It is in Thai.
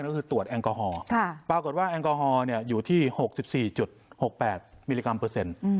ก็คือตรวจแอลกอฮอล์ปรากฏว่าแอลกอฮอล์อยู่ที่๖๔๖๘มิลลิกรัมเปอร์เซ็นต์